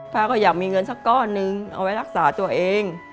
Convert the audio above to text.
ป้าก็อยากมีเงินสักก้อนนึงเอาไว้รักษาตัวเอง